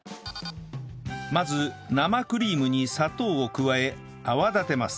まず生クリームに砂糖を加え泡立てます